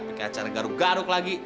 pakai acara garuk garuk lagi